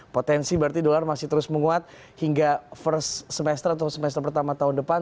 potensi berarti dolar masih terus menguat hingga first semester atau semester pertama tahun depan